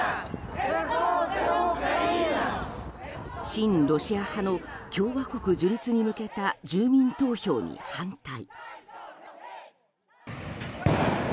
親ロシア派の共和国樹立に向けた住民投票に反対。